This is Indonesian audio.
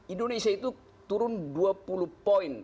indonesia itu turun dua puluh poin